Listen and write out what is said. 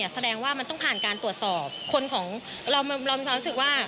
แสดงว่ามันต้องผ่านการตรวจสอบคนของเรามีความรู้สึกว่า